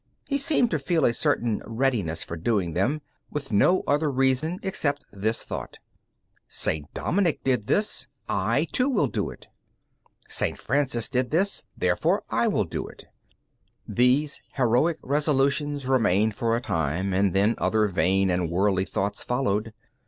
He seemed to feel a certain readiness for doing them, with no other reason except this thought: "St. Dominic did this; I, too, will do it." "St. Francis did this; therefore I will do it." These heroic resolutions remained for a time, and then other vain and worldly thoughts followed.